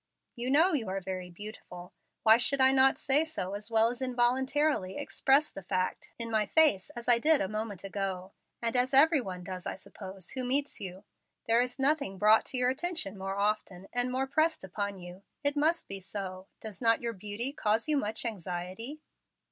You know you are very beautiful. Why should I not say so as well as involuntarily express the fact in my face as I did a moment ago, and as every one does, I suppose, who meets you. There is nothing brought to your attention more often, and more pressed upon you. It must be so. Does not your beauty cause you much anxiety?"